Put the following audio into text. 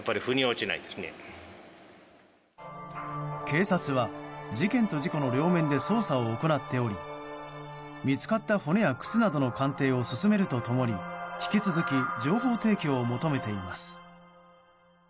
警察は、事件と事故の両面で捜査を行っており見つかった骨や靴などの鑑定を進めると共に引き続き情報提供を求めています。